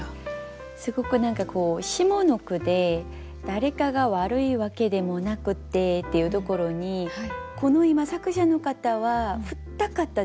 すごく何かこう下の句で「誰かが悪いわけでもなくて」っていうところにこの今作者の方は振った方ですよね絶対。